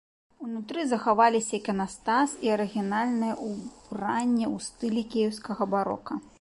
Унутры захаваліся іканастас і арыгінальнае ўбранне ў стылі кіеўскага барока.